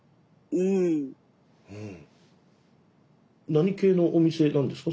何系のお店なんですか？